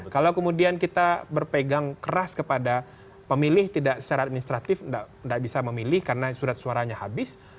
kalau kemudian kita berpegang keras kepada pemilih tidak secara administratif tidak bisa memilih karena surat suaranya habis